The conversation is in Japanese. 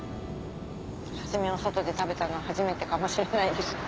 刺し身を外で食べたのは初めてかもしれないです。